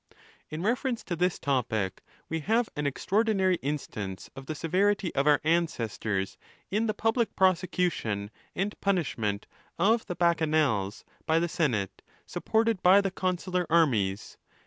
. In reference to this topic, we have an extraordinary in stance of the severity of our ancestors in the public prose cution and punishment of the Bacchanals by the senate, supported by the consular armies.